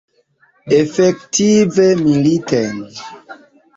Efektive militen.